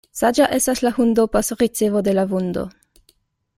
Saĝa estas la hundo post ricevo de la vundo.